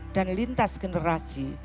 dan lintas generasi